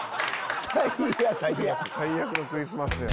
最悪のクリスマスやん。